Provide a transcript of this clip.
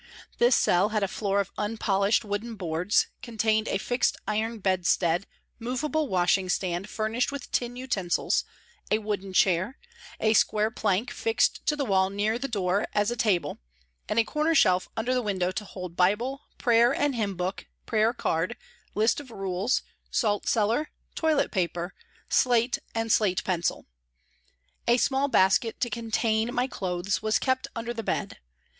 This cell had a floor of unpolished wooden boards, con tained a fixed iron bedstead, movable washing stand furnished with tin utensils, a wooden chair, a square plank fixed to the wall near the door as a table, and a corner shelf under the window to hold Bible, prayer and hymn book, prayer card, list of rules, salt cellar, toilet paper, slate and slate pencil. A small basket to contain my clothes was kept under the bed.